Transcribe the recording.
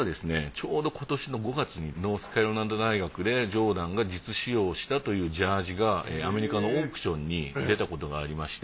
ちょうど今年の５月にノースカロライナ大学でジョーダンが実使用したというジャージがアメリカのオークションに出たことがありまして。